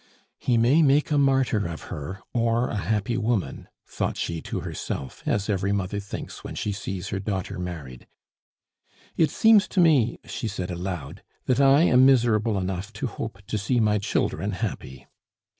"He may make a martyr of her, or a happy woman," thought she to herself, as every mother thinks when she sees her daughter married. "It seems to me," she said aloud, "that I am miserable enough to hope to see my children happy."